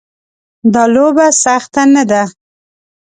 دا لوبه سخته نه ده.